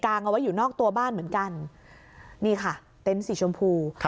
เอาไว้อยู่นอกตัวบ้านเหมือนกันนี่ค่ะเต็นต์สีชมพู